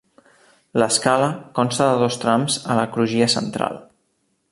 L'escala consta de dos trams a la crugia central.